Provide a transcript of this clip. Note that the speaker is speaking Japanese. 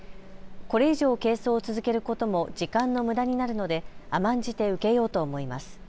これ以上、係争を続けることも時間のむだになるので甘んじて受けようと思います。